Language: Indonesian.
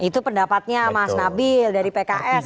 itu pendapatnya mas nabil dari pks